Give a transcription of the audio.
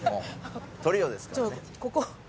トリオですからね。